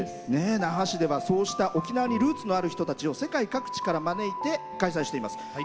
那覇市ではそうした沖縄にルーツのある人たちを世界各地から招いて開催しています。